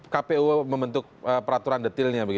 kpu membentuk peraturan detailnya